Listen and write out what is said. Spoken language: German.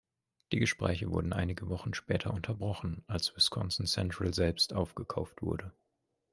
Die Gespräche wurden einige Wochen später unterbrochen, als Wisconsin Central selbst aufgekauft wurde.